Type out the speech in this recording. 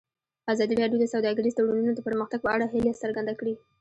ازادي راډیو د سوداګریز تړونونه د پرمختګ په اړه هیله څرګنده کړې.